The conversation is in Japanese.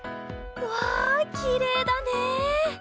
うわきれいだね！